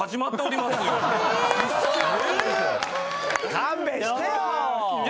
勘弁してよ！